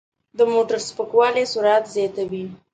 د موټر سپکوالی سرعت زیاتوي.